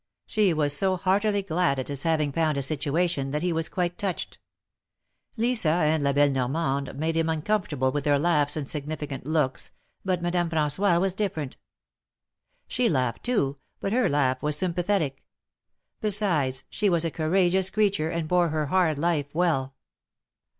She was so heartily glad at his having found a situation that he was quite touched. Lisa and La belle Normande made him uncomfortable with their laughs and significant looks, but Madame rran9ois was different. She laughed too, but her laugh was sympathetic. ^ Besides, she was a courageous creature, and bore her hard life well.